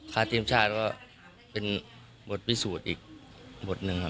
ทีมชาติก็เป็นบทพิสูจน์อีกบทหนึ่งครับ